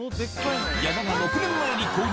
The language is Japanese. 矢田が６年前に購入。